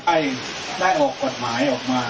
ให้ได้ออกกฎหมายออกมา